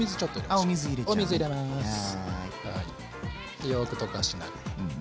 でよく溶かしながら。